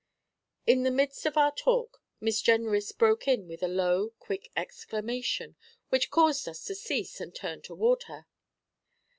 In the midst of our talk Miss Jenrys broke in with a low, quick exclamation, which caused us to cease and turn toward her.